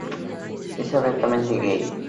Él es abiertamente gay.